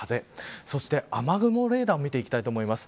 そして雨雲レーダーも見ていきます。